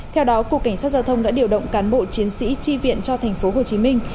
theo đó cục cảnh sát giao thông đã điều động cán bộ chiến sĩ chi viện cho thành phố hồ chí minh